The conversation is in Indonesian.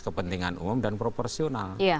kepentingan umum dan proporsional